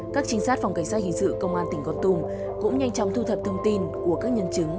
các anh đã xác định được các nạn nhân tử vong